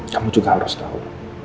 kamu juga harus tahu